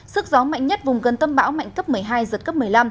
sức gió mạnh nhất vùng gần tâm bão mạnh cấp một mươi hai giật cấp một mươi năm